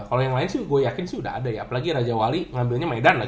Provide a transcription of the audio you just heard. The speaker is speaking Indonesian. kalau yang lain sih gua yakin sih udah ada ya apalagi raja wali ngambilnya medan lagi